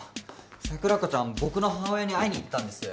桜子ちゃん僕の母親に会いにいったんです。